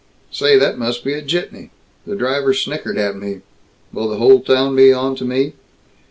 Say, that must be a jitney. The driver snickered at me. Will the whole town be onto me?